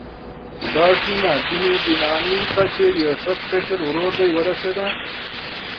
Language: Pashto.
دا سیمه بني بنیامین ته چې د یوسف کشر ورور دی ورسېده.